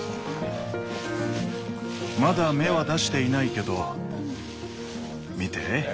まだ芽は出していないけど見て。